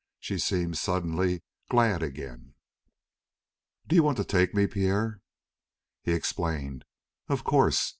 She seemed suddenly glad again. "Do you want to take me, Pierre?" He explained: "Of course.